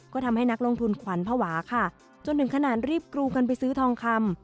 ก็ทำให้นักลงทุนขวัญภาวะค่ะจนถึงขนาดรีบกรูกันไปซื้อทองคำ